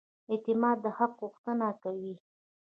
اعتماد د حق غوښتنه کوي.